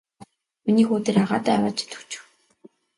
Миний хүү тэр агаадаа аваачаад өгчих.